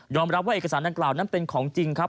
รับว่าเอกสารดังกล่าวนั้นเป็นของจริงครับ